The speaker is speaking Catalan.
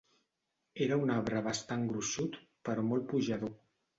Era un arbre bastant gruixut però molt pujador.